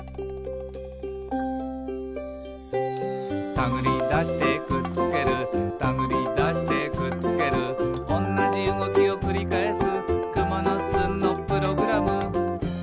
「たぐりだしてくっつけるたぐりだしてくっつける」「おんなじうごきをくりかえす」